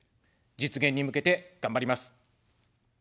実現に向けて頑張ります。